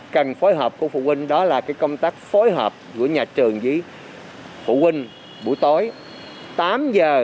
cần phối hợp của phụ huynh đó là công tác phối hợp của nhà trường với phụ huynh buổi tối tám giờ